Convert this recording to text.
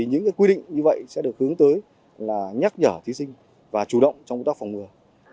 những quy định như vậy sẽ được hướng tới là nhắc nhở thí sinh và chủ động trong công tác phòng ngừa